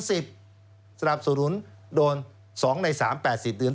สนับสนุนโดน๒ใน๓๘๐เดือน